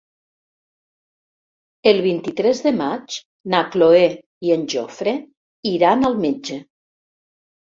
El vint-i-tres de maig na Cloè i en Jofre iran al metge.